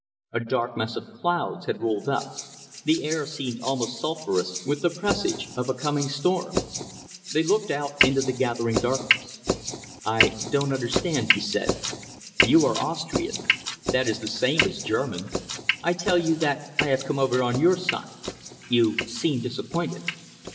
A dark mass of clouds had rolled up; the air seemed almost sulphurous with the presage of a coming storm. They looked out into the gathering darkness. "I don't understand," he said. "You are Austrian; that is the same as German. I tell you that I have come over on your side. You seem disappointed."